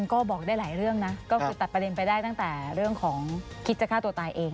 ก็คือตัดประเด็นไปได้ตั้งแต่เรื่องของคิดจะฆ่าตัวตายเอง